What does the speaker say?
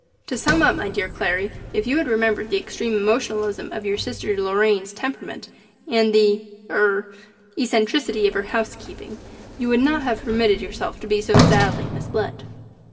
To sum up, my dear Clarry, if you had remembered the extreme emotionalism of your sister Lorraine's temperament and the er eccentricity of her housekeeping, you would not have permitted yourself to be so sadly misled.